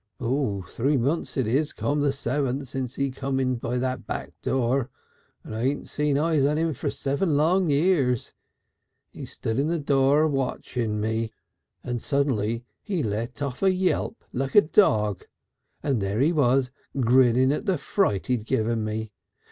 "Three months it is come the seventh since he come in by that very back door and I hadn't set eyes on him for seven long years. He stood in the door watchin' me, and suddenly he let off a yelp like a dog, and there he was grinning at the fright he'd given me.